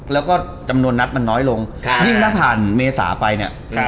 แล้วก็จำนวนนัดมันน้อยลงยิ่งถ้าผ่านเมษาไปเนี่ย